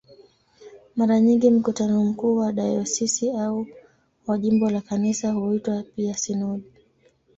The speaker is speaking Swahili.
Mara nyingi mkutano mkuu wa dayosisi au wa jimbo la Kanisa huitwa pia "sinodi".